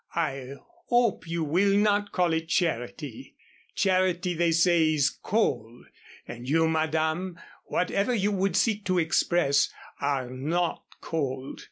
"I hope you will not call it charity. Charity they say is cold. And you, Madame, whatever you would seek to express, are not cold."